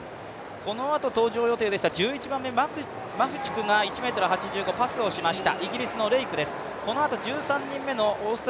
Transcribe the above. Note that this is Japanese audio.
このあと登場予定でした１１番目のマフチクが１ｍ８５、パスをしました。